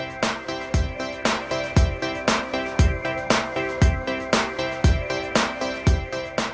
wisata taman kelinci